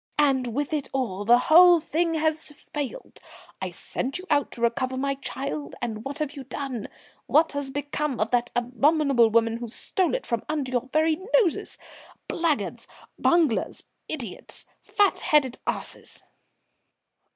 And with it all, the whole thing has failed. I sent you out to recover my child, and what have you done? What has become of that abominable woman who stole it from under your very noses? Blackguards! Bunglers! Idiots! Fat headed asses!"